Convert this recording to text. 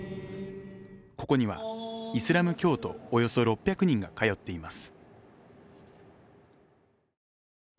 ここには、イスラム教徒およそ６００人が通っています。